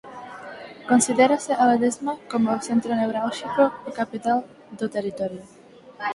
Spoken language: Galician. Considérase a Ledesma como o centro neurálxico ou capital do territorio.